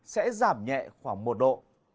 sẽ giảm nhẹ khoảng một độ